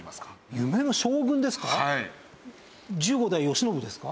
夢の将軍ですか？